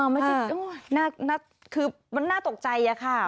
ไม่ใช่คือมันน่าตกใจอะค่ะ